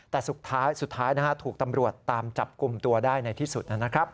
แต่สุดท้ายถูกตำรวจตามจับกลุ่มตัวได้ในที่สุดนะครับ